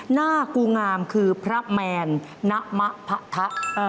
หน้ากูงามคือพระแมนณมะพะทะ